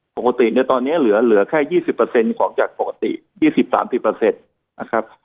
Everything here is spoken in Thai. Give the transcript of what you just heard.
ปกติทีนี้ตอนนี้เหลือแค่๒๐ของจากปกติที่๑๓๑๕เออครับ